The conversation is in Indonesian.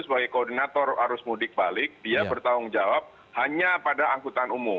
sebagai koordinator arus mudik balik dia bertanggung jawab hanya pada angkutan umum